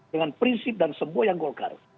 dengan prinsip dan semua yang golkar